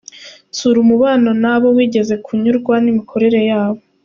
Tsura umubano n’abo wigeze kunyurwa n’imikorere yabo.